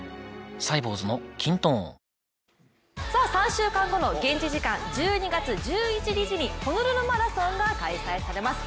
３週間後の現地時間１２月１１日に、ホノルルマラソンが開催されます。